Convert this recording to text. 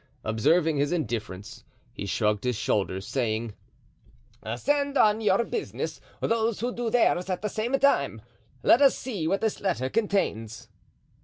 Observing his indifference, he shrugged his shoulders, saying: "Send on your business those who do theirs at the same time! Let us see what this letter contains."